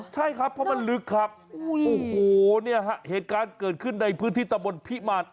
ใช่ครับเพราะมันลึกครับโอ้โหเนี่ยฮะเหตุการณ์เกิดขึ้นในพื้นที่ตะบนพิมาร